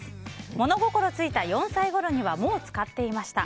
物心ついた４歳ごろにはもう使っていました。